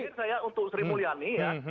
saya mengharapkan saya untuk sri mulyani ya